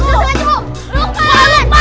gak sengaja buk